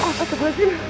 apa tuh ini